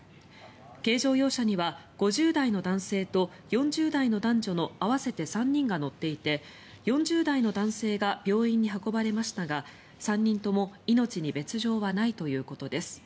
軽乗用車には５０代の男性と４０代の男女の合わせて３人が乗っていて４０代の男性が病院に運ばれましたが３人とも命に別条はないということです。